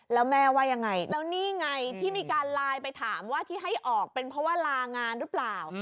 แล้วแม่ว่ายังไงแล้วนี่ไงที่มีการไลน์ไปถามว่าที่ให้ออกเป็นเพราะว่าลางานหรือเปล่า